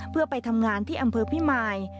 เพื่อไปทำงานที่อำเภอพิมาย